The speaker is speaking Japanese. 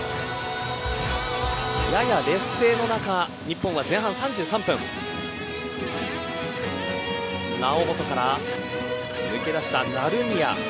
やや劣勢の中日本は前半３３分猶本から抜け出した成宮。